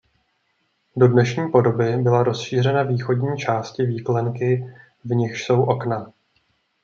Do dnešní podoby byla rozšířena východní části výklenky v nichž jsou okna.